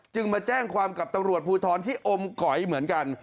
มาแจ้งความกับตำรวจภูทรที่อมก๋อยเหมือนกัน